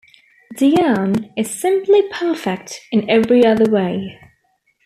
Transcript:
Diane is simply perfect in every other way.